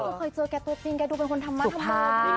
ก็เคยเจอแกตัวจริงแกดูเป็นคนธรรมดาจริง